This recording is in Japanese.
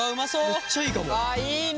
めっちゃいいかも！